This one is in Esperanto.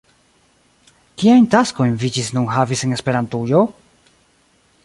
Kiajn taskojn vi ĝis nun havis en Esperantujo?